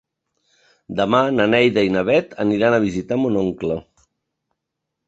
Demà na Neida i na Bet aniran a visitar mon oncle.